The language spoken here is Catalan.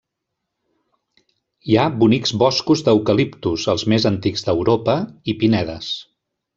Hi ha bonics boscos d'eucaliptus, els més antics d'Europa, i pinedes.